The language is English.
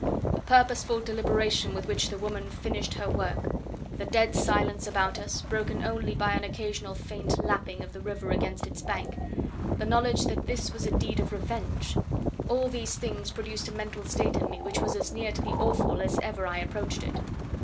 The purposeful deliberation with which the woman finished her work; the dead silence about us, broken only by an occasional faint lapping of the river against its bank; the knowledge that this was a deed of revenge all these things produced a mental state in me which was as near to the awful as ever I approached it.